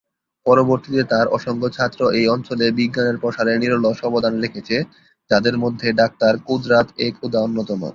পরবর্তীতে তার অসংখ্য ছাত্র এই অঞ্চলে বিজ্ঞানের প্রসারে নিরলস অবদান রেখেছে, যাদের মধ্যে ডাক্তার কুদরাত-এ-খুদা অন্যতম।